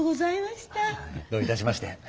どういたしまして。